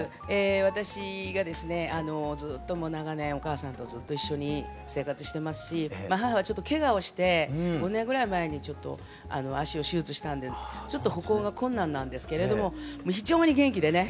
私がですねずっと長年お母さんとずっと一緒に生活してますし母はちょっとけがをして５年ぐらい前にちょっと足を手術したんでちょっと歩行が困難なんですけれども非常に元気でね。